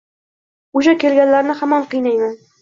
Oʻsha kelganlarni hamon qiynayman